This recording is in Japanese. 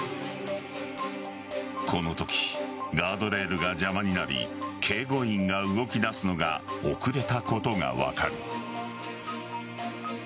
このときガードレールが邪魔になり警護員が動き出すのが遅れたことが分かる。